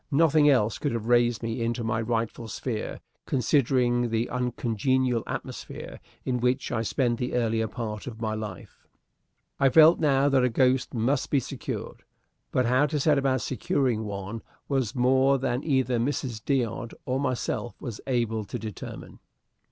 Nothing else could have raised me into my rightful sphere, considering the uncongenial atmosphere in which I spent the earlier part of my life. I felt now that a ghost must be secured, but how to set about securing one was more than either Mrs. D'Odd or myself was able to determine.